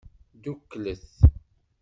Dduklet.